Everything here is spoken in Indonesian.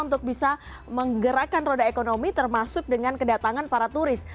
untuk bisa menggerakkan roda ekonomi termasuk dengan kedatangan para turis